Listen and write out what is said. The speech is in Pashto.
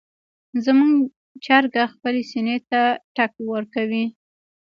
زموږ چرګه خپلې سینې ته ټک ورکوي.